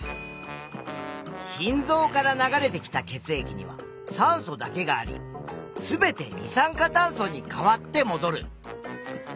心臓から流れてきた血液には酸素だけがあり全て二酸化炭素に変わってもどる。